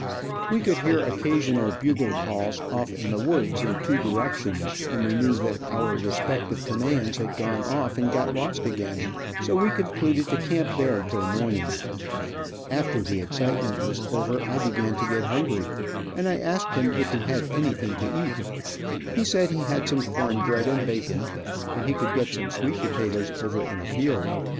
We could hear occasional bugle calls off in the woods in two directions, and knew that our respective commands had gone off and got lost again, so we concluded to camp there till morning. After the excitement was over I began to get hungry, and I asked him if he had anything to eat. He said he had some corn bread and bacon, and he could get some sweet potatoes over in a field.